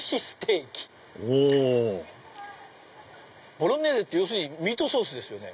ボロネーゼってミートソースですよね。